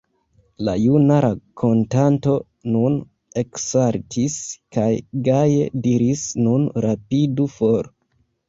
La juna rakontanto nun eksaltis kaj gaje diris: Nun rapidu for.